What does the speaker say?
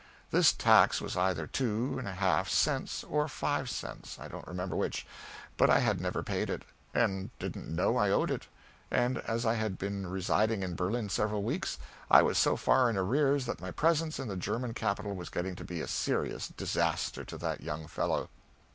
This tax was either two and a half cents or five cents, I don't remember which; but I had never paid it, and didn't know I owed it, and as I had been residing in Berlin several weeks, I was so far in arrears that my presence in the German capital was getting to be a serious disaster to that young fellow.